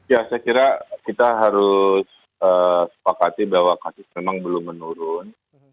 ya saya kira kita harus sepakati bahwa kasus memang belum menurun